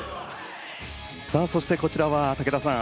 そしてこちらは武田さん